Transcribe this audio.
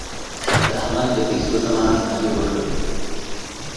د احمد د پیسو ضمانت علي وکړ.